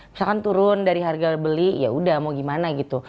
misalkan turun dari harga beli yaudah mau gimana gitu